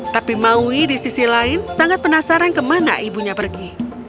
tapi maui di sisi lain sangat penasaran kemana ibunya pergi